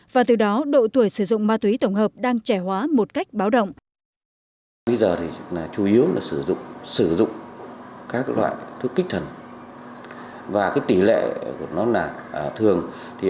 và từ đó độ tuổi sử dụng ma túy tổng hợp đang trẻ hóa một cách báo động